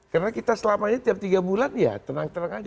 karena kita selamanya tiap tiga bulan ya tenang tenang saja